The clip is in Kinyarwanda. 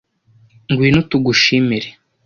ngwino tugushimire